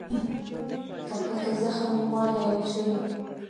که پښه کې زخم وي، مالګه یې وچوي.